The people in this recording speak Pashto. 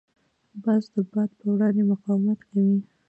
باز د باد په وړاندې مقاومت کوي